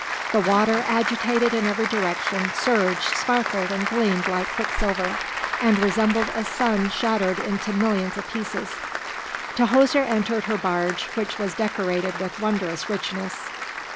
The water, agitated in every direction, surged, sparkled, and gleamed like quicksilver, and resembled a sun shattered into millions of pieces. Tahoser entered her barge, which was decorated with wondrous richness.